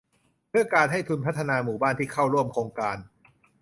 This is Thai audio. เพื่อการให้ทุนพัฒนาหมู่บ้านที่เข้าร่วมโครงการ